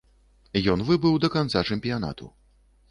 Ён выбыў да канца чэмпіянату.